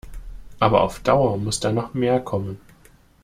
Aber auf Dauer muss da noch mehr kommen.